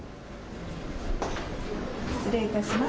失礼いたします。